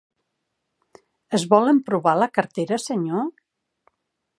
Es vol emprovar la cartera, senyor?